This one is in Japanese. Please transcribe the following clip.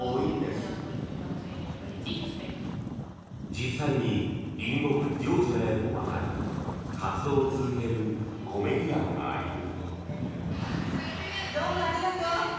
実際に隣国ジョージアへと渡り活動を続けるコメディアンがいる。